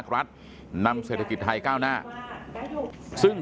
การสอบส่วนแล้วนะ